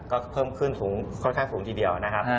ก็เพิ่มขึ้นสูงค่อนข้างสูงทีเดียวนะครับ